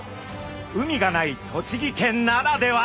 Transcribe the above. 海がない栃木県ならでは！